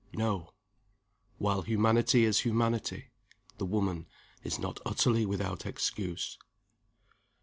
No. While humanity is humanity, the woman is not utterly without excuse.